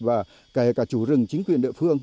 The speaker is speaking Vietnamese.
và kể cả chủ rừng chính quyền địa phương